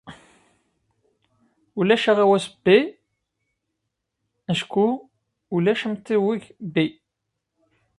Ulac Aɣawas B acku ulac amtiweg B.